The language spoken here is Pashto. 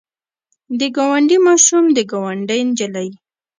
د ګاونډي ماشوم د ګاونډۍ نجلۍ.